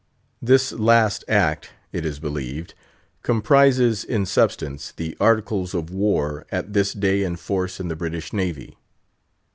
This last act, it is believed, comprises, in substance, the Articles of War at this day in force in the British Navy.